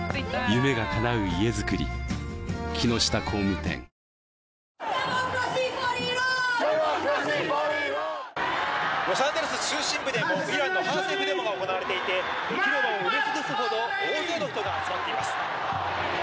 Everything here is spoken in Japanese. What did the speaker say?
糖質ゼロロサンゼルス中心部でもイランの反政府デモが行われていて、広場を埋め尽くすほど大勢の人が集まっています。